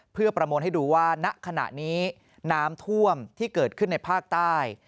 เพื่อประมวลให้ดูว่าณขณะนี้น้ำท่วมที่เกิดขึ้นในภาคใต้